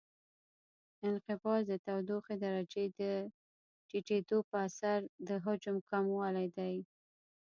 انقباض د تودوخې درجې د ټیټېدو په اثر د حجم کموالی دی.